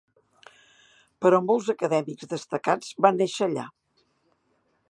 Però molts acadèmics destacats van néixer allà.